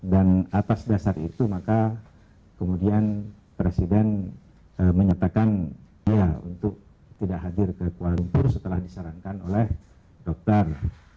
dan atas dasar itu maka kemudian presiden menyatakan ya untuk tidak hadir ke kuala lumpur setelah disarankan oleh dokter